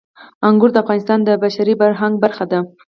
انګور د افغانستان د بشري فرهنګ برخه ده.